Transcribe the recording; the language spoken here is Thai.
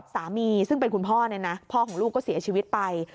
สามีซึ่งเป็นคุณพ่อเนี่ยนะพ่อของลูกก็เสียชีวิตไป